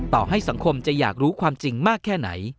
ต่อให้สังคมจะอยากรู้ความจริงมากแค่ไหน